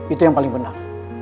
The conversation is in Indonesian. itu yang paling benar